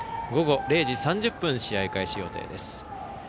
午後０時３０分試合開始予定です。